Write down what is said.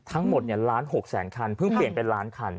ทั้งหมดล้าน๖แสนคันเพิ่งเปลี่ยนเป็นล้านคัน